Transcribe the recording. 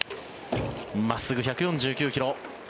真っすぐ、１４９ｋｍ。